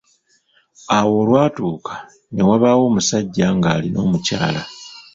Awo olwatuuka, ne wabaaawo omusajja nga alina omukyala.